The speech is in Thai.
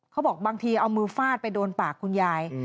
เขาบอกบางทีเอามือฟาดไปโดนปากคุณยาย